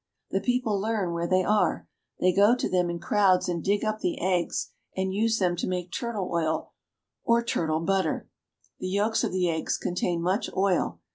The people learn where they are. They go to them in crowds and dig up the eggs, and use them to make turtle oil or turtle butter. The yolks of the eggs contain much oil.